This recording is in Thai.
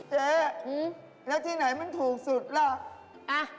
เจ๊แล้วที่ไหนมันถูกสุดล่ะ